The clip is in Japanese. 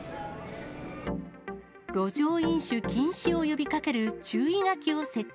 路上飲酒禁止を呼びかける注意書きを設置。